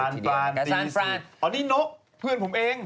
สรรพรานอ๋อนี่นกเพื่อนผมเอง